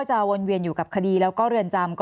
แอนตาซินเยลโรคกระเพาะอาหารท้องอืดจุกเสียดแสบร้อน